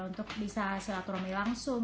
untuk bisa silaturahmi langsung